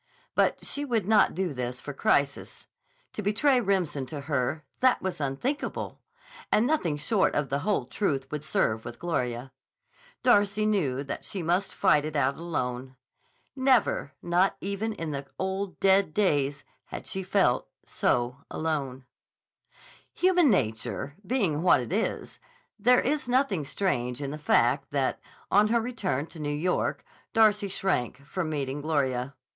But she would not do for this crisis! To betray Remsen to her—that was unthinkable, and nothing short of the whole truth would serve with Gloria. Darcy knew that she must fight it out alone. Never, not even in the old, dead days, had she felt so alone. Human nature being what it is, there is nothing strange in the fact that, on her return to New York, Darcy shrank from meeting Gloria.